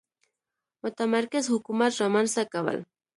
متمرکز حکومت رامنځته کول.